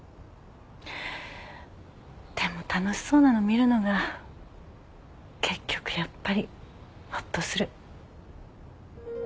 でも楽しそうなの見るのが結局やっぱりほっとする。